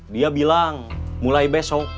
dia bilang mulai besok